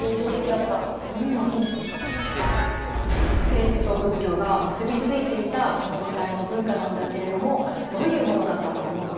政治と仏教が結び付いていたこの時代の文化なんだけれどもどういうものだったと思う？